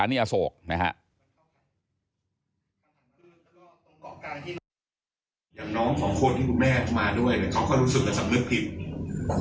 อย่างน้องของคนที่คุณแม่มาด้วยเขาก็รู้สึกกับสำนึกผิด